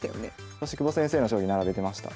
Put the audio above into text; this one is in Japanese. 私久保先生の将棋並べてました。